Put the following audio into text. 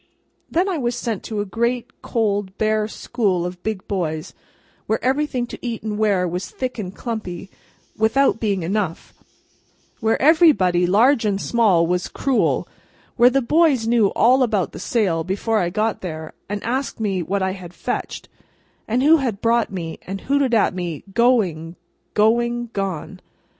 Then, I was sent to a great, cold, bare, school of big boys; where everything to eat and wear was thick and clumpy, without being enough; where everybody, large and small, was cruel; where the boys knew all about the sale, before I got there, and asked me what I had fetched, and who had bought me, and hooted at me, "Going, going, gone!"